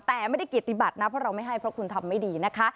แต่ไม่ได้เกียรติบัตินะเพราะเราไม่ให้เพราะคุณทำไม่ดีนะคะ